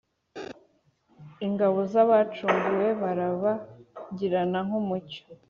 Ingabo z’ abacunguwe, Barabagirana nk’ umucyo